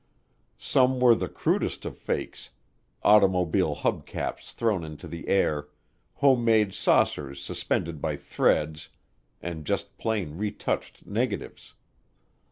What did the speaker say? Some were the crudest of fakes, automobile hub caps thrown into the air, homemade saucers suspended by threads, and just plain retouched negatives.